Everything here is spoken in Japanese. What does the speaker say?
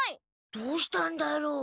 どうしたんだろう？